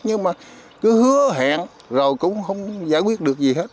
nhưng mà cứ hứa hẹn rồi cũng không giải quyết được gì hết